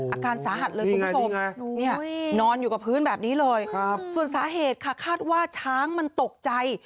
อาการสาหัสเลยคุณผู้ชมนอนอยู่กับพื้นแบบนี้เลยส่วนสาเหตุค่ะคาดว่าช้างมันตกใจ